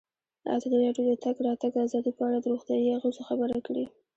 ازادي راډیو د د تګ راتګ ازادي په اړه د روغتیایي اغېزو خبره کړې.